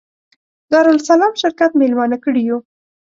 دارالسلام شرکت مېلمانه کړي یو.